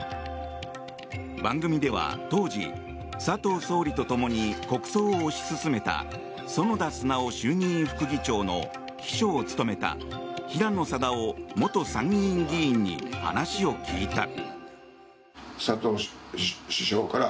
番組では当時、佐藤総理と共に国葬を推し進めた園田直衆議院副議長の秘書を務めた平野貞夫元参議院議員に話を聞いた。